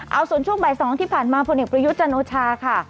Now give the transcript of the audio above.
เอาส่วนช่วงบ่าย๒ที่ผ่านมาพลเอกประยุทธ์จันโอชาค่ะ